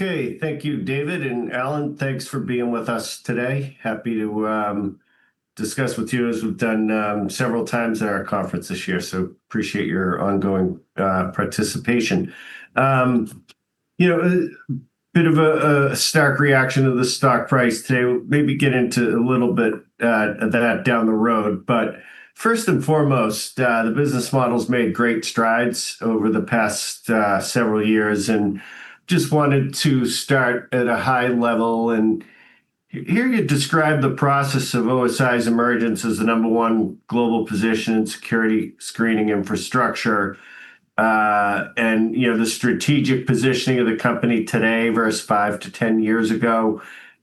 Okay. Thank you, David. Alan, thanks for being with us today. Happy to discuss with you as we've done several times at our conference this year. Appreciate your ongoing participation. You know, a bit of a stark reaction to the stock price today. Maybe get into a little bit that down the road. First and foremost, the business model's made great strides over the past several years, and just wanted to start at a high level. Here you describe the process of OSI's emergence as the number one global position in security screening infrastructure, and, you know, the strategic positioning of the company today versus five to 10 years ago,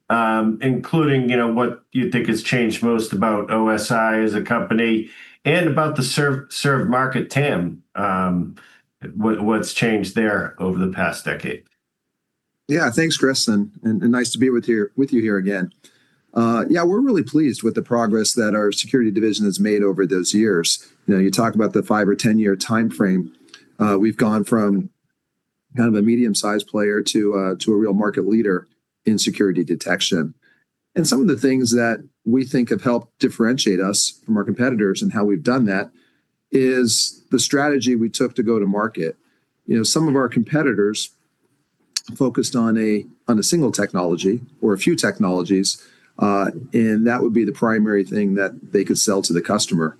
including, you know, what you think has changed most about OSI as a company and about the served market TAM, what's changed there over the past decade. Thanks, Chris, and nice to be with you here again. Yeah, we're really pleased with the progress that our Security division has made over those years. You know, you talk about the five or 10-year timeframe, we've gone from kind of a medium-sized player to a real market leader in security detection. Some of the things that we think have helped differentiate us from our competitors and how we've done that is the strategy we took to go to market. You know, some of our competitors focused on a single technology or a few technologies, that would be the primary thing that they could sell to the customer.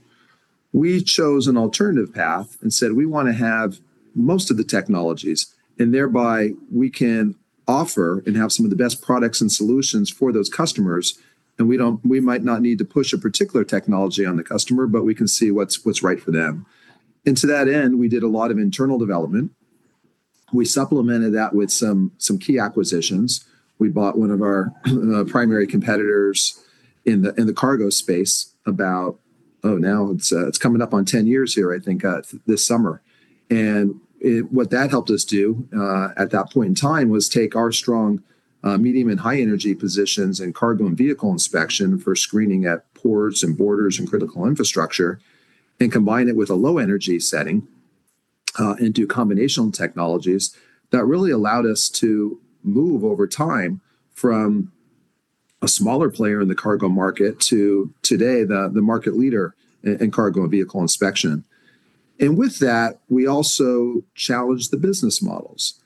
We chose an alternative path and said, "We wanna have most of the technologies, thereby we can offer and have some of the best products and solutions for those customers, and we might not need to push a particular technology on the customer, but we can see what's right for them." To that end, we did a lot of internal development. We supplemented that with some key acquisitions. We bought one of our primary competitors in the cargo space about, now it's coming up on 10 years here, I think, this summer. What that helped us do, at that point in time, was take our strong, medium and high energy positions in cargo and vehicle inspection for screening at ports and borders and critical infrastructure, and combine it with a low energy setting, and do combinational technologies that really allowed us to move over time from a smaller player in the cargo market to today, the market leader in cargo and vehicle inspection. With that, we also challenged the business models.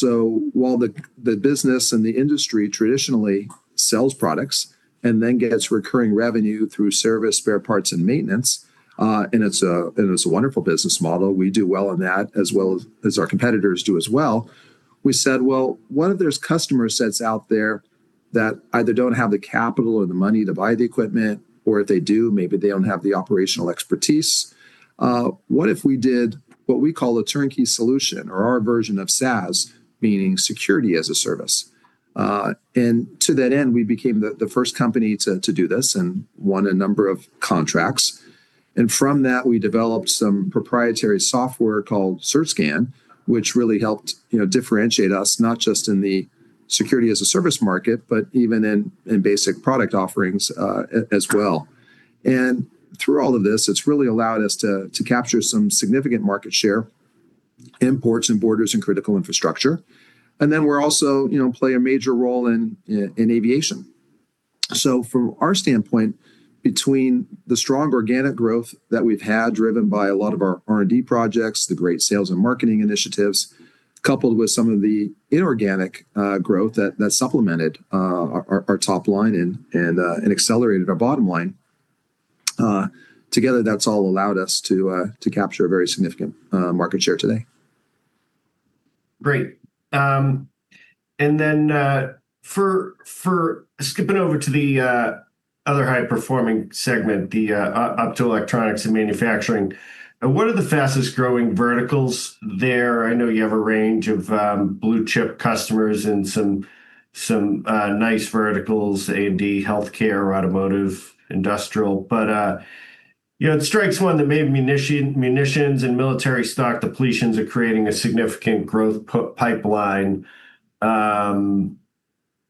While the business and the industry traditionally sells products and then gets recurring revenue through service, spare parts, and maintenance, and it's a wonderful business model, we do well in that, as well as our competitors do as well. We said, "Well, what if there's customer sets out there that either don't have the capital or the money to buy the equipment, or if they do, maybe they don't have the operational expertise? What if we did what we call a turnkey solution or our version of SaaS, meaning Security as a Service?" To that end, we became the first company to do this and won a number of contracts. From that, we developed some proprietary software called CertScan, which really helped, you know, differentiate us not just in the Security as a Service market, but even in basic product offerings as well. Through all of this, it's really allowed us to capture some significant market share in ports and borders and critical infrastructure. We're also, you know, play a major role in aviation. From our standpoint, between the strong organic growth that we've had, driven by a lot of our R&D projects, the great sales and marketing initiatives, coupled with some of the inorganic growth that supplemented our top line and accelerated our bottom line, together, that's all allowed us to capture a very significant market share today. Great. Skipping over to the other high-performing segment, the Optoelectronics and Manufacturing, what are the fastest growing verticals there? I know you have a range of blue-chip customers and nice verticals, A&D, healthcare, automotive, industrial. You know, it strikes one that maybe munitions and military stock depletions are creating a significant growth pipeline.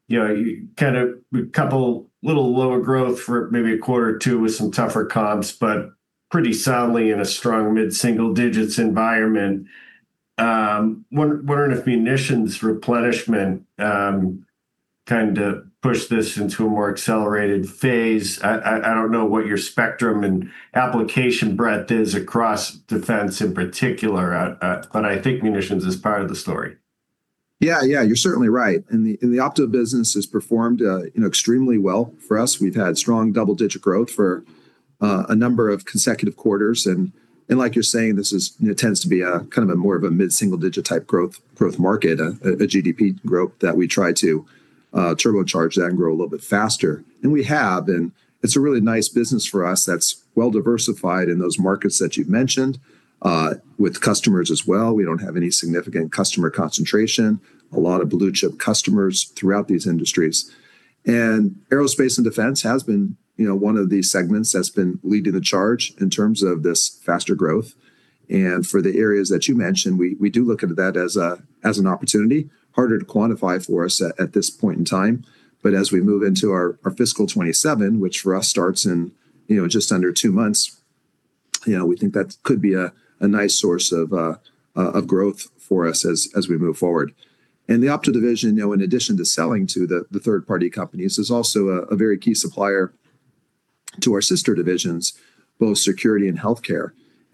You know, you kind of couple little lower growth for maybe a quarter or two with some tougher comps, but pretty solidly in a strong mid-single digits environment. Wondering if munitions replenishment tend to push this into a more accelerated phase. I don't know what your spectrum and application breadth is across defense in particular, but I think munitions is part of the story. Yeah. Yeah, you're certainly right. The Opto business has performed, you know, extremely well for us. We've had strong double-digit growth for a number of consecutive quarters. Like you're saying, this is, you know, tends to be a kind of a more of a mid-single digit type growth market, a GDP growth that we try to turbocharge that and grow a little bit faster. We have, and it's a really nice business for us that's well diversified in those markets that you've mentioned, with customers as well. We don't have any significant customer concentration. A lot of blue-chip customers throughout these industries. Aerospace and defense has been, you know, one of the segments that's been leading the charge in terms of this faster growth. For the areas that you mentioned, we do look into that as an opportunity. Harder to quantify for us at this point in time. As we move into our fiscal 2027, which for us starts in, you know, just under two months, you know, we think that could be a nice source of growth for us as we move forward. The Opto division, you know, in addition to selling to the third-party companies, is also a very key supplier to our sister divisions, both Security and Healthcare.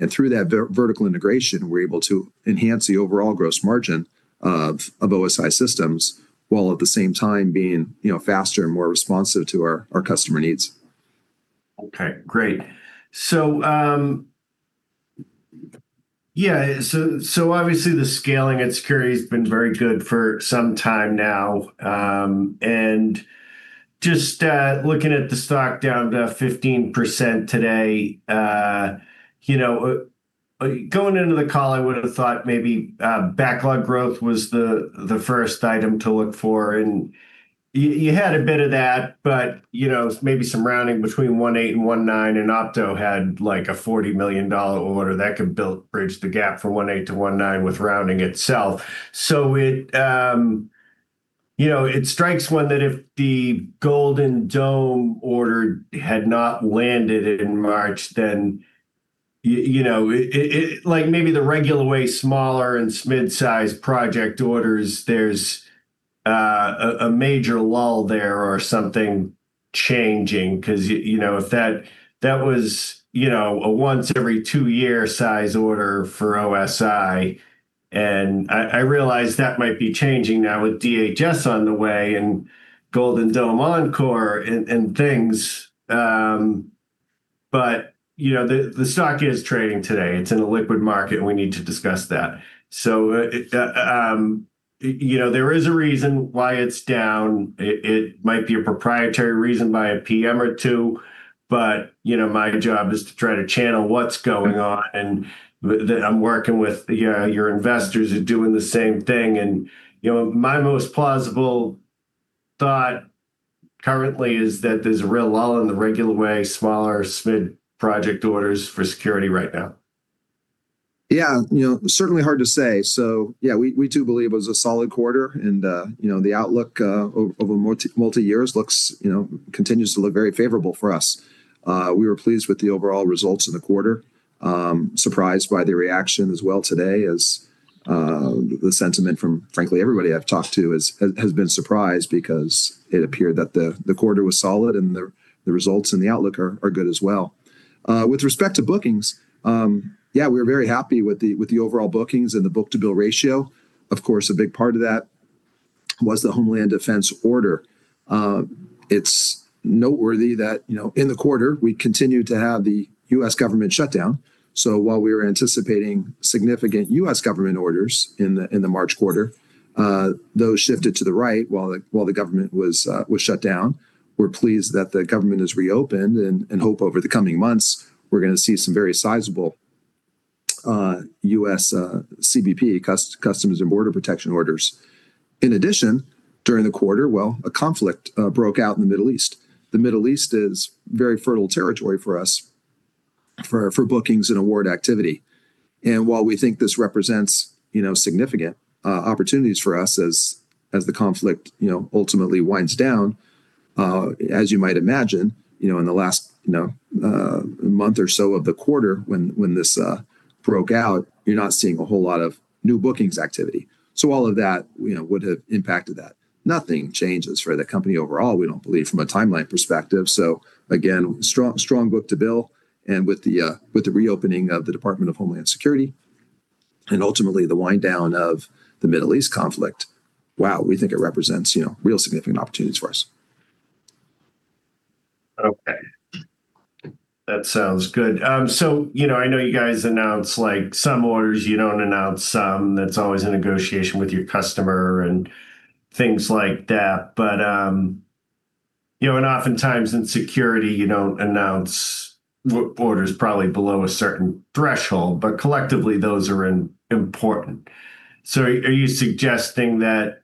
Through that vertical integration, we're able to enhance the overall gross margin of OSI Systems, while at the same time being, you know, faster and more responsive to our customer needs. Okay, great. Obviously the scaling at Security has been very good for some time now. Just looking at the stock down to 15% today, going into the call, I would've thought maybe backlog growth was the first item to look for. You had a bit of that, but maybe some rounding between $1.8 and $1.9, and Opto had, like, a $40 million order that could bridge the gap from $1.8-$1.9 with rounding itself. It, you know, it strikes one that if the Golden Dome order had not landed in March, you know, like, maybe the regular way smaller and mid-sized project orders, there's a major lull there or something changing 'cause you know, if that was, you know, a once every two year size order for OSI, and I realize that might be changing now with DHS on the way and Golden Dome Encore and things. You know, the stock is trading today. It's in a liquid market, and we need to discuss that. It, you know, there is a reason why it's down. It might be a proprietary reason by a PM or two, you know, my job is to try to channel what's going on. I'm working with, you know, your investors are doing the same thing. You know, my most plausible thought currently is that there's a real lull in the regular way, smaller, mid project orders for security right now. You know, certainly hard to say. We do believe it was a solid quarter and, you know, the outlook over multi years looks, you know, continues to look very favorable for us. We were pleased with the overall results in the quarter. Surprised by the reaction as well today as the sentiment from, frankly, everybody I've talked to has been surprised because it appeared that the quarter was solid and the results and the outlook are good as well. With respect to bookings, we're very happy with the overall bookings and the book-to-bill ratio. Of course, a big part of that was the Homeland Defense order. It's noteworthy that, you know, in the quarter, we continued to have the U.S. government shutdown, while we were anticipating significant U.S. government orders in the, in the March quarter, those shifted to the right while the, while the government was shut down. We're pleased that the government has reopened and hope over the coming months we're gonna see some very sizable U.S. CBP, U.S. Customs and Border Protection orders. During the quarter, well, a conflict broke out in the Middle East. The Middle East is very fertile territory for us for bookings and award activity. While we think this represents, you know, significant opportunities for us as the conflict, you know, ultimately winds down, as you might imagine, you know, in the last, you know, month or so of the quarter when this broke out, you're not seeing a whole lot of new bookings activity. All of that, you know, would have impacted that. Nothing changes for the company overall, we don't believe from a timeline perspective. Again, strong book-to-bill and with the reopening of the Department of Homeland Security and ultimately the wind down of the Middle East conflict, we think it represents, you know, real significant opportunities for us. Okay. That sounds good. You know, I know you guys announce, like, some orders, you don't announce some, that's always a negotiation with your customer and things like that. You know, and oftentimes in security, you don't announce orders probably below a certain threshold, but collectively those are important. Are you suggesting that,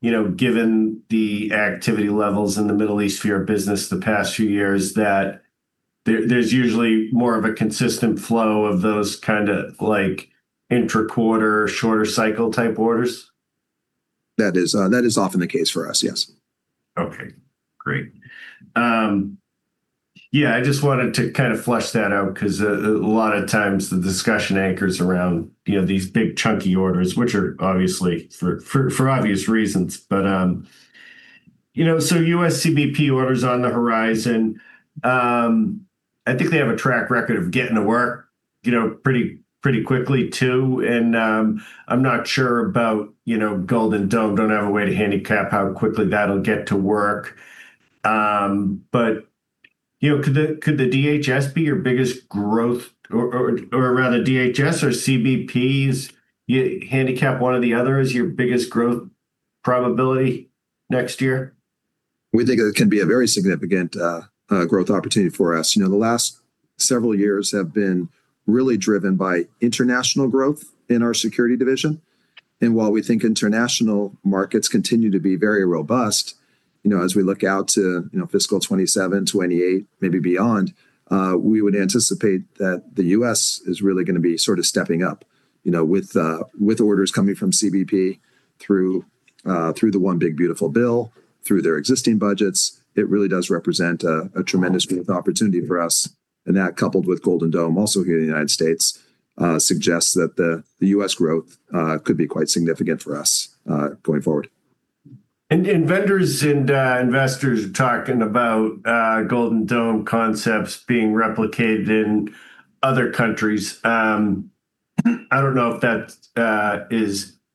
you know, given the activity levels in the Middle East for your business the past few years, that there's usually more of a consistent flow of those kinda, like, intra-quarter, shorter cycle type orders? That is, that is often the case for us, yes. Okay, great. Yeah, I just wanted to kind of flesh that out because a lot of times the discussion anchors around, you know, these big chunky orders, which are obviously for obvious reasons. You know, U.S. CBP orders on the horizon. I think they have a track record of getting to work, you know, pretty quickly too. I'm not sure about, you know, Golden Dome. Don't have a way to handicap how quickly that'll get to work. You know, could the DHS be your biggest growth or rather DHS or CBP's, you handicap one or the other as your biggest growth probability next year? We think it can be a very significant growth opportunity for us. You know, the last several years have been really driven by international growth in our Security division. While we think international markets continue to be very robust, you know, as we look out to, you know, fiscal 2027, 2028, maybe beyond, we would anticipate that the U.S. is really gonna be sort of stepping up. You know, with orders coming from CBP through the One Big Beautiful Bill, through their existing budgets, it really does represent a tremendous growth opportunity for us. That coupled with Golden Dome also here in the United States, suggests that the U.S. growth could be quite significant for us going forward. Vendors and investors are talking about Golden Dome concepts being replicated in other countries. I don't know if that's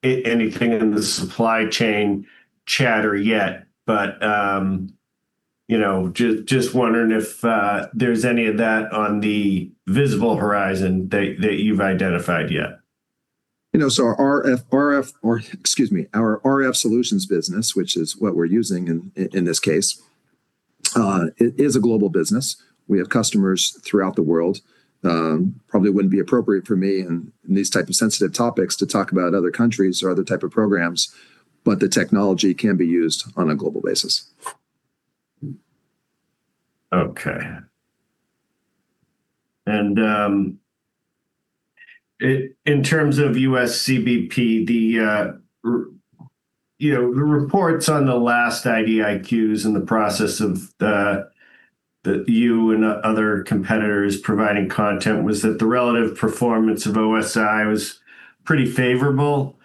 anything in the supply chain chatter yet, but, you know, just wondering if there's any of that on the visible horizon that you've identified yet. You know, our RF solutions business, which is what we're using in this case, it is a global business. We have customers throughout the world. Probably wouldn't be appropriate for me in these type of sensitive topics to talk about other countries or other type of programs, the technology can be used on a global basis. Okay. In terms of U.S. CBP, the you know, the reports on the last IDIQs and the process of the you and other competitors providing content was that the relative performance of OSI was pretty favorable.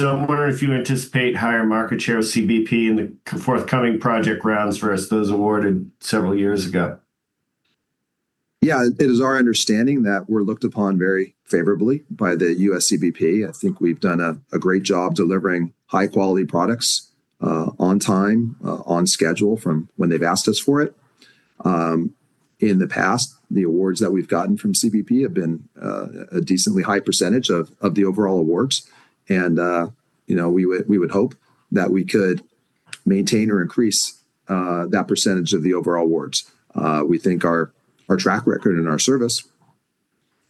I'm wondering if you anticipate higher market share with CBP in the forthcoming project rounds versus those awarded several years ago. Yeah. It is our understanding that we're looked upon very favorably by the U.S. CBP. I think we've done a great job delivering high quality products, on time, on schedule from when they've asked us for it. In the past, the awards that we've gotten from CBP have been a decently high % of the overall awards. You know, we would hope that we could maintain or increase that % of the overall awards. We think our track record and our service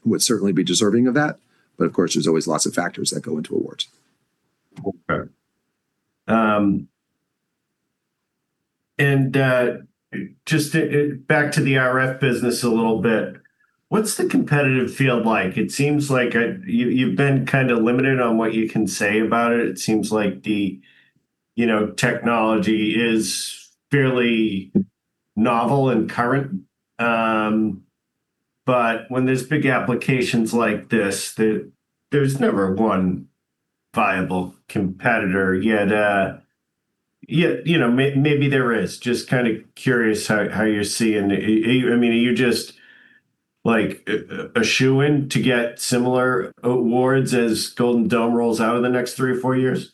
would certainly be deserving of that, of course there's always lots of factors that go into awards. Back to the RF business a little bit, what's the competitive field like? It seems like you've been kind of limited on what you can say about it. It seems like the, you know, technology is fairly novel and current. When there's big applications like this, there's never one viable competitor. Yet, you know, maybe there is. Just kind of curious how you're seeing it. I mean, are you just, like, a shoo-in to get similar awards as Golden Dome rolls out in the next three or four years?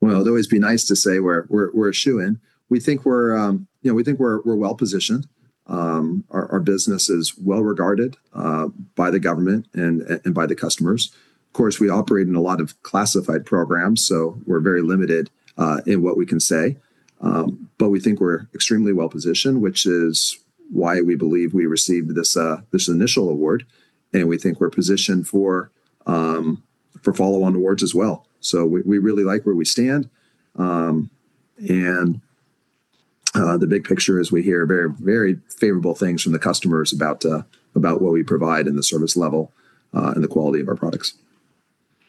It'd always be nice to say we're a shoo-in. We think we're, you know, we think we're well-positioned. Our business is well-regarded by the government and by the customers. Of course, we operate in a lot of classified programs, so we're very limited in what we can say. We think we're extremely well-positioned, which is why we believe we received this initial award, and we think we're positioned for follow-on awards as well. We really like where we stand. The big picture is we hear very, very favorable things from the customers about what we provide and the service level and the quality of our products.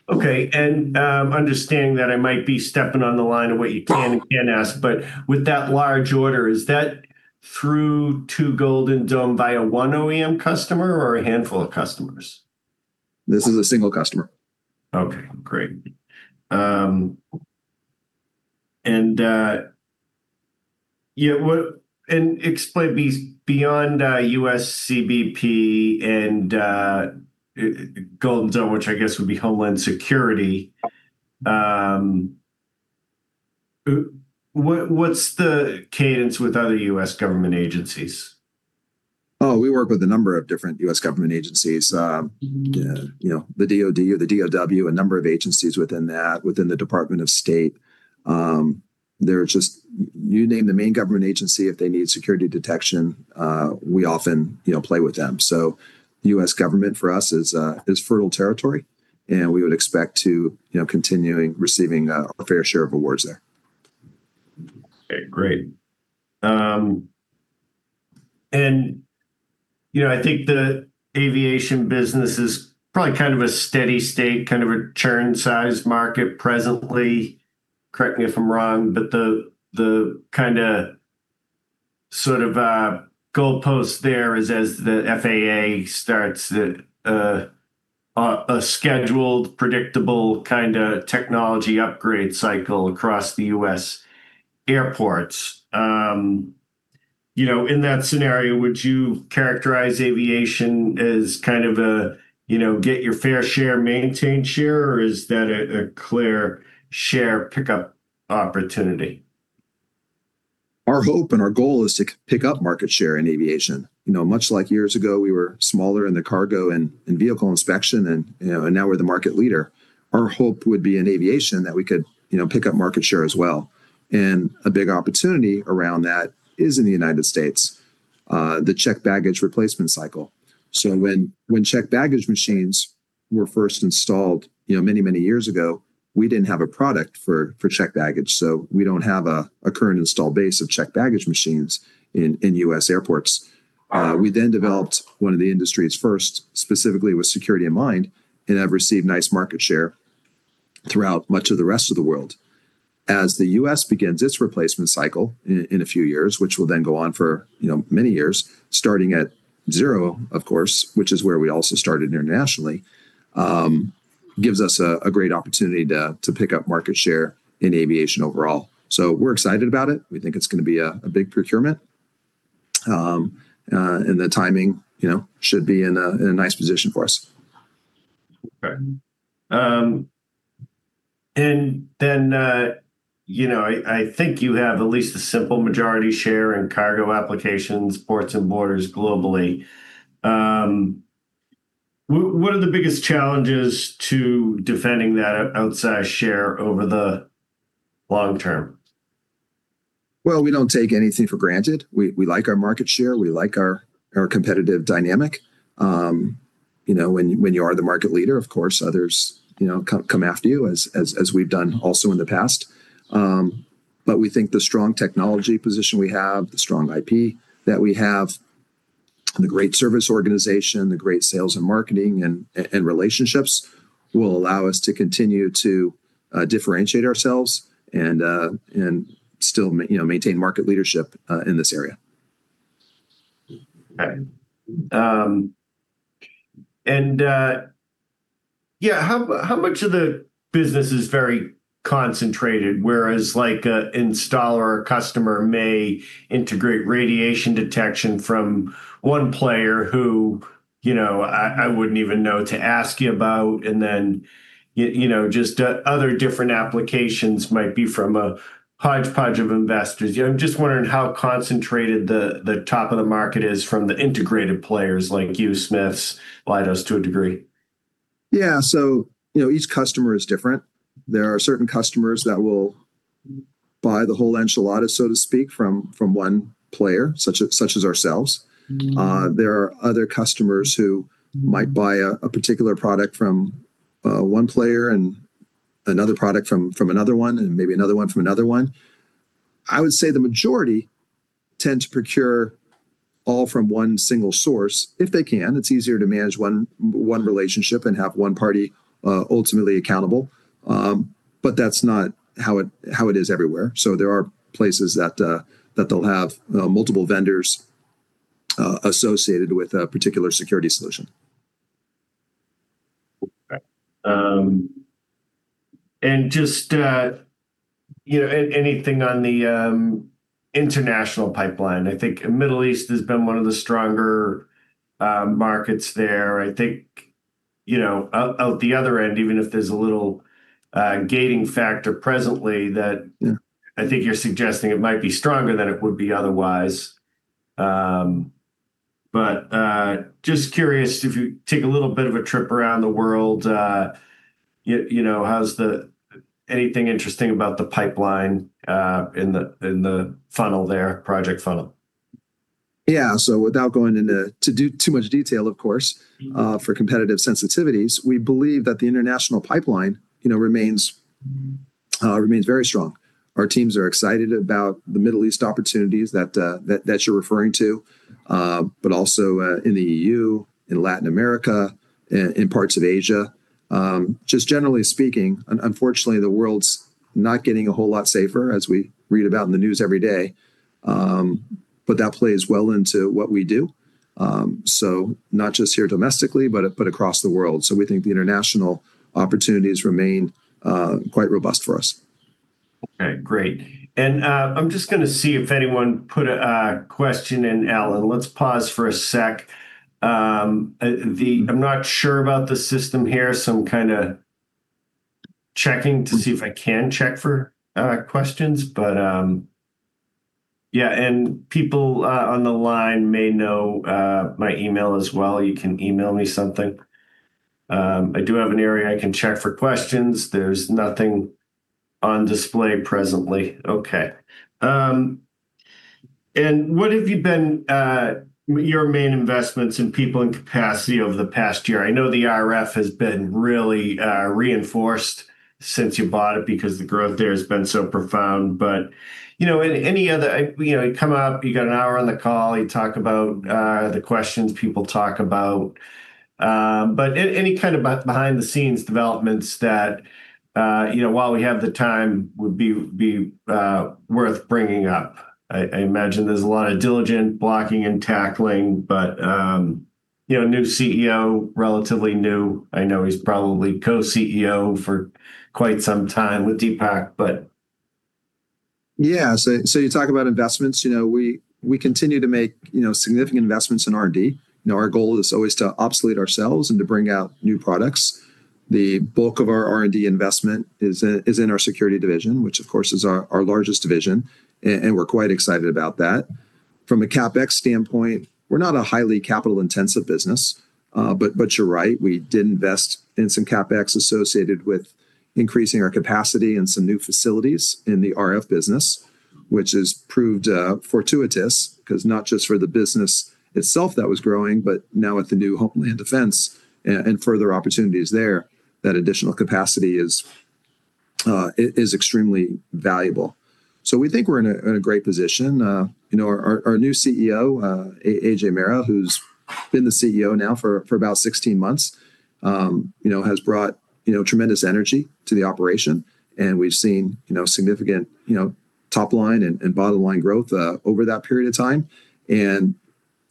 Okay. Understanding that I might be stepping on the line of what you can and can't ask, but with that large order, is that through to Golden Dome by a one OEM customer or a handful of customers? This is a single customer. Okay, great. yeah, explain beyond U.S. CBP and Golden Dome, which I guess would be Homeland Security, what's the cadence with other U.S. government agencies? We work with a number of different U.S. government agencies. You know, the DoD or the DoW, a number of agencies within that, within the Department of State. You name the main government agency, if they need security detection, we often, you know, play with them. The U.S. government for us is fertile territory, and we would expect to, you know, continuing receiving our fair share of awards there. Okay, great. You know, I think the aviation business is probably kind of a steady state, kind of a churn sized market presently. Correct me if I'm wrong, the kind of sort of goalpost there is as the FAA starts a scheduled, predictable kind of technology upgrade cycle across the U.S. airports. You know, in that scenario, would you characterize aviation as kind of a, you know, get your fair share, maintain share, or is that a clear share pickup opportunity? Our hope and our goal is to pick up market share in aviation. You know, much like years ago, we were smaller in the cargo and vehicle inspection and, you know, now we're the market leader. Our hope would be in aviation that we could, you know, pick up market share as well. A big opportunity around that is in the United States., the checked baggage replacement cycle. When checked baggage machines were first installed, you know, many years ago, we didn't have a product for checked baggage, so we don't have a current install base of checked baggage machines in U.S. airports. We then developed one of the industry's first, specifically with security in mind, and have received nice market share throughout much of the rest of the world. As the U.S. begins its replacement cycle in a few years, which will then go on for, you know, many years, starting at zero, of course, which is where we also started internationally, gives us a great opportunity to pick up market share in aviation overall. We're excited about it. We think it's gonna be a big procurement. The timing, you know, should be in a nice position for us. Okay. You know, I think you have at least a simple majority share in cargo applications, ports and borders globally. What are the biggest challenges to defending that outside share over the long term? Well, we don't take anything for granted. We like our market share. We like our competitive dynamic. you know, when you are the market leader, of course, others, you know, come after you as we've done also in the past. We think the strong technology position we have, the strong IP that we have, the great service organization, the great sales and marketing and relationships will allow us to continue to differentiate ourselves and still you know, maintain market leadership in this area. Yeah, how much of the business is very concentrated, whereas like a installer or customer may integrate radiation detection from one player who, you know, I wouldn't even know to ask you about, and then you know, just other different applications might be from a hodgepodge of investors. You know, I'm just wondering how concentrated the top of the market is from the integrated players like you, Smiths, Leidos to a degree? Yeah. You know, each customer is different. There are certain customers that will buy the whole enchilada, so to speak, from one player such as ourselves. There are other customers who might buy a particular product from one player and another product from another one, and maybe another one from another one. I would say the majority tend to procure all from one single source if they can. It's easier to manage one relationship and have one party ultimately accountable. That's not how it is everywhere, so there are places that they'll have multiple vendors associated with a particular security solution. Okay. Just, you know, anything on the international pipeline. I think Middle East has been one of the stronger markets there. I think, you know, out the other end, even if there's a little gating factor presently. Yeah I think you're suggesting it might be stronger than it would be otherwise. Just curious if you take a little bit of a trip around the world, you know, anything interesting about the pipeline, in the funnel there, project funnel? Yeah. Without going into too much detail, of course. For competitive sensitivities, we believe that the international pipeline, you know, remains very strong. Our teams are excited about the Middle East opportunities that you're referring to, but also in the E.U., in Latin America, in parts of Asia. Just generally speaking, unfortunately, the world's not getting a whole lot safer as we read about in the news every day. That plays well into what we do, not just here domestically, but across the world. We think the international opportunities remain quite robust for us. Okay. Great. I'm just going to see if anyone put a question in, Alan. Let's pause for a second. I'm not sure about the system here, so I'm kind of checking to see if I can check for questions. Yeah, and people on the line may know my email as well. You can email me something. I do have an area I can check for questions. There's nothing on display presently. Okay. What have you been your main investments in people and capacity over the past year? I know the RF has been really reinforced since you bought it because the growth there has been so profound. You know, any other You know, you come up, you got an hour on the call, you talk about the questions people talk about. Any kind of behind-the-scenes developments that, you know, while we have the time would be worth bringing up. I imagine there's a lot of diligent blocking and tackling, but, you know, new CEO, relatively new. I know he's probably Co-CEO for quite some time with Deepak, but. You talk about investments, we continue to make significant investments in R&D. Our goal is always to obsolete ourselves and to bring out new products. The bulk of our R&D investment is in our Security division, which of course is our largest division, and we're quite excited about that. From a CapEx standpoint, we're not a highly capital-intensive business. But you're right, we did invest in some CapEx associated with increasing our capacity in some new facilities in the RF business, which has proved fortuitous 'cause not just for the business itself that was growing, but now with the new Homeland Defense and further opportunities there, that additional capacity it is extremely valuable. We think we're in a great position. You know, our new CEO, Ajay Mehra, who's been the CEO now for about 16 months, you know, has brought, you know, tremendous energy to the operation, and we've seen, you know, significant, top line and bottom line growth over that period of time, and,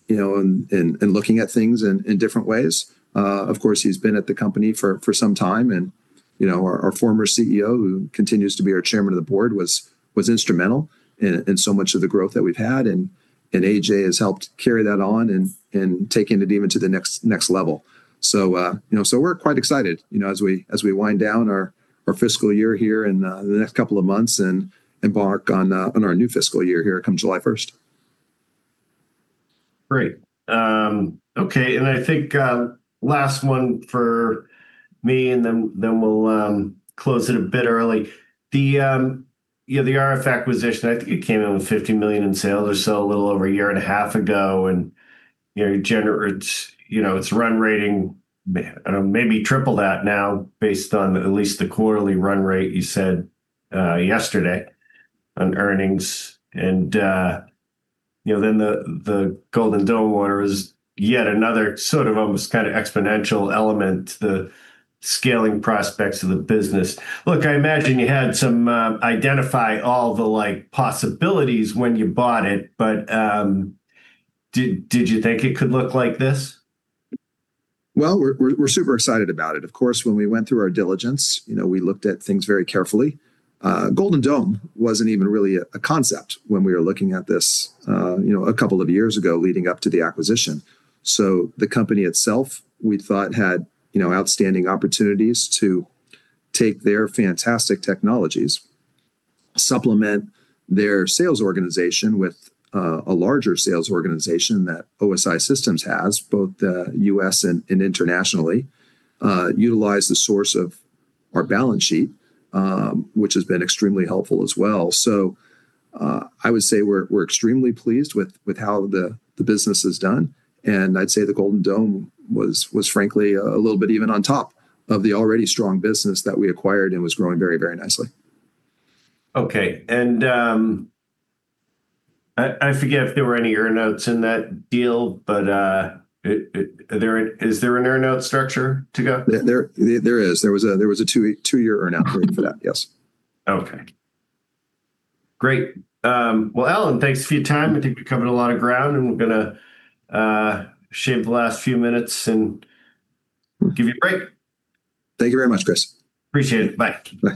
you know, looking at things in different ways. Of course, he's been at the company for some time and, you know, our former CEO, who continues to be our Chairman of the Board, was instrumental in so much of the growth that we've had and Ajay has helped carry that on and taking it even to the next level. You know, so we're quite excited, you know, as we, as we wind down our fiscal year here in the next couple of months and embark on our new fiscal year here come July 1st. Great. Okay. I think, last one for me then we'll close it a bit early. The, you know, the RF acquisition, I think it came in with $50 million in sales or so a little over a year and a half ago, and, you know, it generates You know, it's run rating maybe 3x that now based on at least the quarterly run rate you said yesterday on earnings. You know, then the Golden Dome order is yet another sort of almost kind of exponential element, the scaling prospects of the business. Look, I imagine you had some identify all the like possibilities when you bought it, but did you think it could look like this? We're super excited about it. Of course, when we went through our diligence, you know, we looked at things very carefully. Golden Dome wasn't even really a concept when we were looking at this, you know, a couple of years ago leading up to the acquisition. The company itself, we thought had, you know, outstanding opportunities to take their fantastic technologies, supplement their sales organization with a larger sales organization that OSI Systems has, both U.S. and internationally, utilize the source of our balance sheet, which has been extremely helpful as well. I would say we're extremely pleased with how the business has done, and I'd say the Golden Dome was frankly a little bit even on top of the already strong business that we acquired and was growing very nicely. Okay. I forget if there were any earn-outs in that deal, but, Is there an earn-out structure to go? There is. There was a two-year earn-out period for that. Yes. Okay. Great. Well, Alan, thanks for your time. I think we covered a lot of ground, and we're gonna shave the last few minutes and give you a break. Thank you very much, Chris. Appreciate it. Bye.